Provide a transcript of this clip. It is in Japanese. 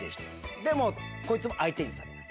でもこいつも相手にされない